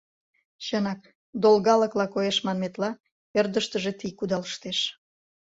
Чынак, долгалыкла коеш, манметла, ӧрдыжтыжӧ тий кудалыштеш.